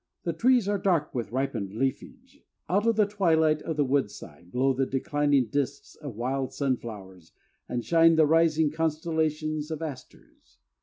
The trees are dark with ripened leafage; out of the twilight of the woodside glow the declining disks of wild sunflowers and shine the rising constellations of asters.